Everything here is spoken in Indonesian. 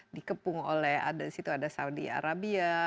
dikepung oleh ada di situ ada saudi arabia